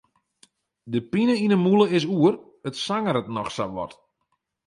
De pine yn 'e mûle is oer, it sangeret noch sa wat.